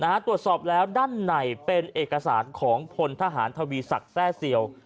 ตรวจสอบแล้วด้านในเป็นเอกสารของพลทหารทวีศักดิ์แทร่เซียว